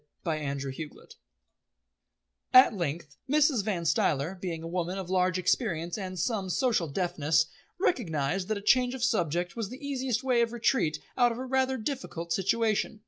CHAPTER II At length Mrs. Van Stuyler, being a woman of large experience and some social deftness, recognised that a change of subject was the easiest way of retreat out of a rather difficult situation.